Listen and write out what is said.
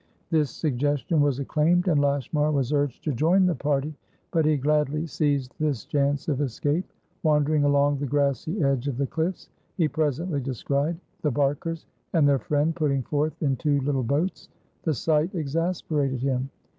This suggestion was acclaimed, and Lashmar was urged to join the party, but he gladly seized this chance of escape. Wandering along the grassy edge of the cliffs, he presently descried the Barkers and their friend putting forth in two little boats. The sight exasperated him.